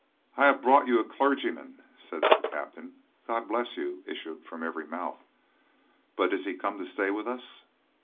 'I have brought you a clergyman,' says the captain. 'God bless you,' issued from every mouth; 'but is he come to stay with us?'